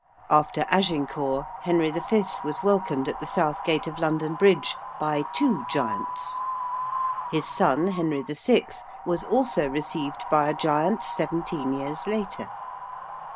After Agincourt Henry V. was welcomed at the south gate of London Bridge by two giants: his son, Henry VI., was also received by a giant seventeen years later.